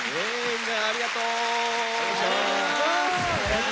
みんなありがとう！